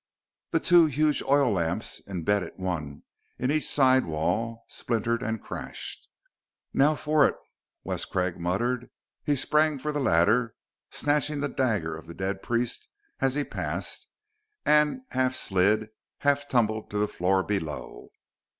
The two huge oil lamps, imbedded one in each side wall, splintered and crashed. "Now for it!" Wes Craig muttered. He sprang for the ladder, snatching the dagger of the dead priest as he passed, and half slid, half tumbled to the floor below.